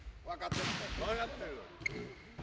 分かってる。